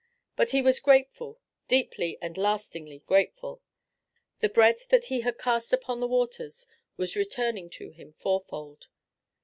But he was grateful, deeply and lastingly grateful. The bread that he had cast upon the waters was returning to him fourfold.